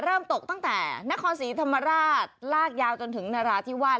ตกตั้งแต่นครศรีธรรมราชลากยาวจนถึงนราธิวาส